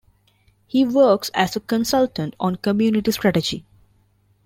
He works as a consultant on community strategy.